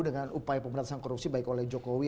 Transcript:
dengan upaya pemerintahan korupsi baik oleh jokowi